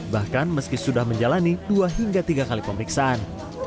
bahkan meski sudah menjalani dua hingga tiga kali pemeriksaan